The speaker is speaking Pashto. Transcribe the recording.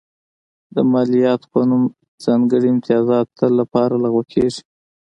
د مالیاتو په نوم ځانګړي امتیازات تل لپاره لغوه کېږي.